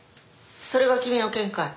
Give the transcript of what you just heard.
それが君の見解？